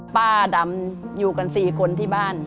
ป้าดำอยู่กัน๔คนที่บ้าน